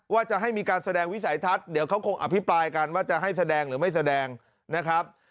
ว่าจะให้มีการแสดงวิสัยทัศน์เดี๋ยวเขาคงอภิปรายกันว่าจะให้แสดงหรือไม่แสดงนะครับ